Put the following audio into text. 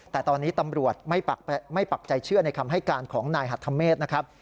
แต่ตอนนี้ตำรวจไม่ปักใจเชื่อในคำให้การของนายหัทธเมฆนะครับ